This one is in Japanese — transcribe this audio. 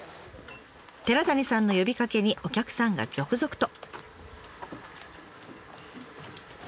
寺谷さんの呼びかけにお客さんが続々と。